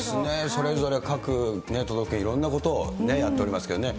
それぞれ各都道府県いろんなことをね、やっておりますけどね。